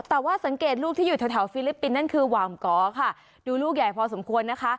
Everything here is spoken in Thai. แต่ว่าสังเกตลูกที่อยู่แถวฟิลิปปินส์นั่นคือหว่างกอค่ะดูลูกใหญ่พอสมควรนะคะ